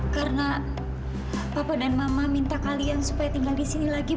karena bapak dan mama minta kalian supaya tinggal di sini lagi